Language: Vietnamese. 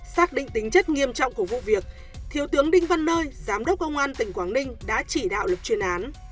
xác định tính chất nghiêm trọng của vụ việc thiếu tướng đinh văn nơi giám đốc công an tỉnh quảng ninh đã chỉ đạo lập chuyên án